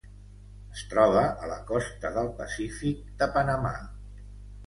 Es troba a la costa del Pacífic de Panamà.